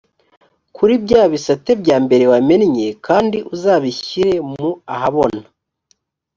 kuri bya bisate bya mbere wamennye kandi uzabishyire mu ahabona.